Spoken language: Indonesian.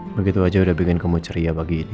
begitu aja udah bikin kamu ceria bagi ini